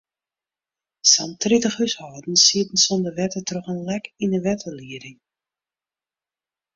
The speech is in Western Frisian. Sa'n tritich húshâldens sieten sonder wetter troch in lek yn de wetterlieding.